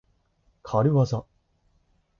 かるわざ。